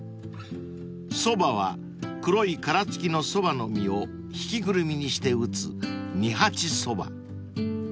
［そばは黒い殻付きのソバの実を挽きぐるみにして打つ二八そば］